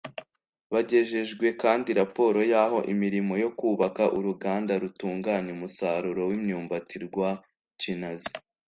Bagejejweho kandi raporo y’aho imirimo yo kubaka uruganda rutunganya umusaruro w’imyumbati rwa Kinazi